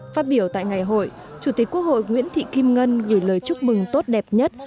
phát biểu tại ngày hội chủ tịch quốc hội nguyễn thị kim ngân gửi lời chúc mừng tốt đẹp nhất